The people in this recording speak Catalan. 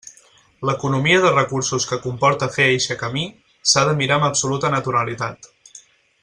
L'economia de recursos que comporta fer eixe camí s'ha de mirar amb absoluta naturalitat.